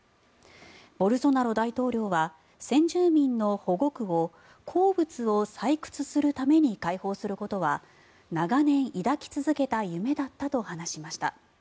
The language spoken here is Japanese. ボルソナロ大統領は先住民の保護区を鉱物を採掘するために開放することは長年抱き続けた夢だったと話しました。